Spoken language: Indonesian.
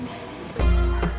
kita pulang aja yuk